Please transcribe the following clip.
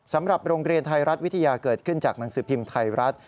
สำหรับโรงเรียนไทยรัฐวิทยาเกิดขึ้นจากหนังสือพิมพ์ไทยรัฐ